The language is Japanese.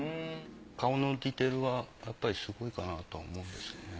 顔のディテールはやっぱりすごいかなと思うんですけどね。